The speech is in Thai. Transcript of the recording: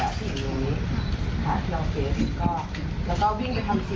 แล้วก็ได้ส่วนประชาติภาพแล้วก็จะส่งวิดีโอข้างหลัง